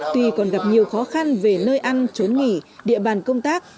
tuy còn gặp nhiều khó khăn về nơi ăn trốn nghỉ địa bàn công tác